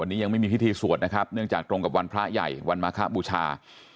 วันนี้ยังไม่มีพิธีสวดนะครับเนื่องจากตรงกับวันพระใหญ่วันมาคบูชา